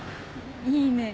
いいね。